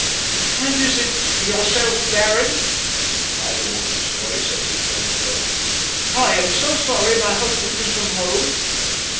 "And is it yourself, Baron?" cried a woman's voice as he turned to go. "I am so sorry my husband is from home."